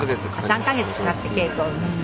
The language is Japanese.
３カ月かかって稽古。